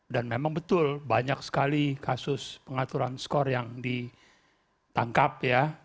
dan memang betul banyak sekali kasus pengaturan skor yang ditangkap ya